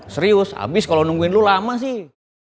serius abis kalau nungguin lo lama sih